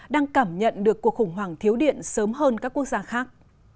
đang cảm nhận được cuộc khủng hoảng thiếu điện sớm hơn các quốc gia khác